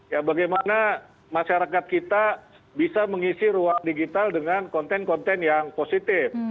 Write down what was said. ya bagaimana masyarakat kita bisa mengisi ruang digital dengan konten konten yang positif